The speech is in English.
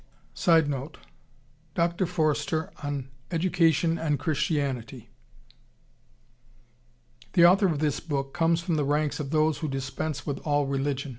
[Sidenote: Dr. Foerster on Education and Christianity.] The author of this book comes from the ranks of those who dispense with all religion.